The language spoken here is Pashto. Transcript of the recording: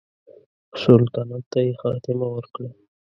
سلطنت ته یې خاتمه ورکړه.